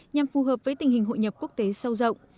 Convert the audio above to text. nhằm phù hợp với tình hình hội nhập quốc tế sâu rộng